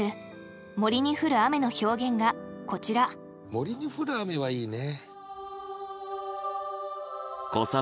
森に降る雨はいいね。